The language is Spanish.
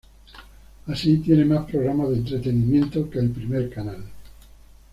Así, tiene más programas de entretenimiento que el primer canal.